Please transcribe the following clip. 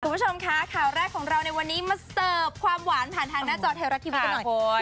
คุณผู้ชมคะข่าวแรกของเราในวันนี้มาเสิร์ฟความหวานผ่านทางหน้าจอไทยรัฐทีวีกันหน่อย